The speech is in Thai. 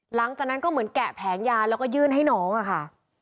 หลังจากนั้นก็เหมือนแกะแผงยาแล้วก็ยื่นให้น้องอะค่ะ